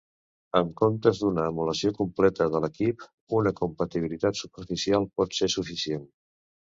En comptes d'una emulació completa de l'equip, una compatibilitat superficial pot ser suficient.